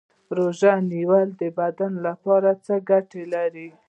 روژه نیول د بدن لپاره څه ګټه لري